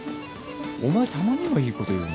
お前たまにはいいこと言うな。